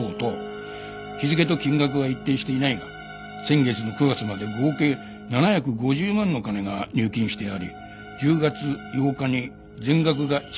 日付と金額は一定していないが先月の９月まで合計７５０万の金が入金してあり１０月８日に全額が引き出されている。